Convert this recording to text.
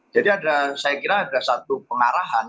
jadi ada saya kira ada satu pengarah